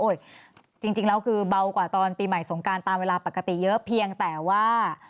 จริงแล้วคือเบากว่าตอนปีใหม่สงการตามเวลาปกติเยอะเพียงแต่ว่า